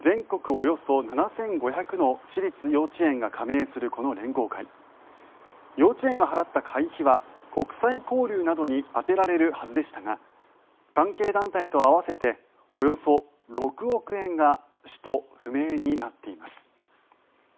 およそ７５００の私立幼稚園が加盟するこの連合会幼稚園が払った会費は国際交流などに充てられるはずでしたが関係団体と合わせておよそ６億円が使途不明になっています。